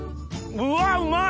うわうまい！